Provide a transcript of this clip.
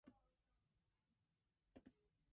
It is an all volunteer department.